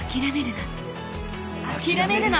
諦めるな。